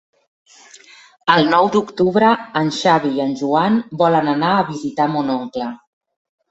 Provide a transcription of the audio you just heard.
El nou d'octubre en Xavi i en Joan volen anar a visitar mon oncle.